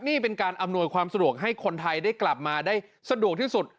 นี่เป็นการอำนวยความสะดวกให้คนไทยได้กลับมาได้สะดวกที่สุด